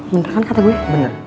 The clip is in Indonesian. bener kan kata gue